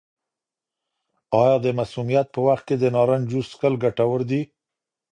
آیا د مسمومیت په وخت کې د نارنج جوس څښل ګټور دي؟